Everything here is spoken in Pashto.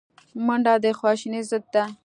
منډه د خواشینۍ ضد ده